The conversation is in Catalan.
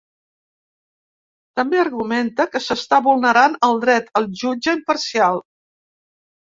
També argumenta que s’està vulnerant ‘el dret al jutge imparcial’.